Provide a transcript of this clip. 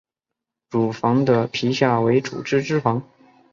乳房的皮下为脂肪组织。